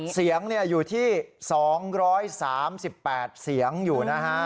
เสียงอยู่ที่๒๓๘เสียงอยู่นะฮะ